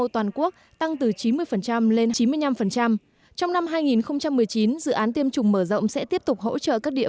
toàn quốc tăng từ chín mươi lên chín mươi năm trong năm hai nghìn một mươi chín dự án tiêm chủng mở rộng sẽ tiếp tục hỗ trợ các địa